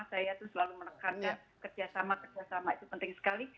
saya itu selalu menekankan kerjasama kerjasama itu penting sekali